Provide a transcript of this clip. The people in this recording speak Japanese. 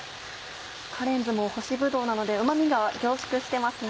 カレンズも干しぶどうなのでうま味が凝縮してますね。